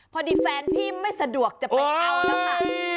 พอดีแฟนพี่ไม่สะดวกจะไปเข้าแล้วค่ะ